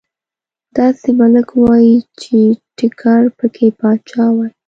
داسې ملک وای چې ټيګور پکې پاچا وای